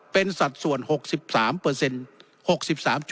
เป็นสัดส่วน๖๓ครับ